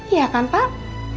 iya kan pak